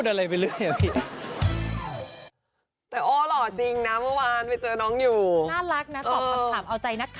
ครับพี่